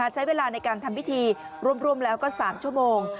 ใช้เวลาในการทำพิธีรวมแล้วก็๓ชั่วโมง